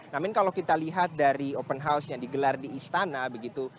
namun kalau kita lihat dari open house yang digelar di istana begitu